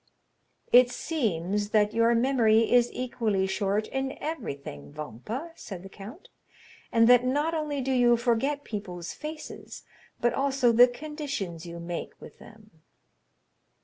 "It seems that your memory is equally short in everything, Vampa," said the count, "and that not only do you forget people's faces, but also the conditions you make with them."